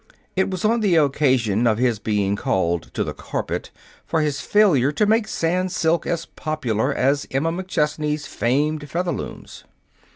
It was on the occasion of his being called to the carpet for his failure to make Sans silks as popular as Emma McChesney's famed Featherlooms.